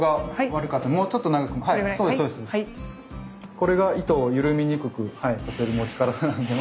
これが糸を緩みにくくさせる持ち方なんでまずこれを。